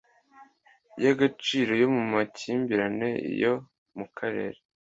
y agaciro yo mu makimbirane yo mu Karere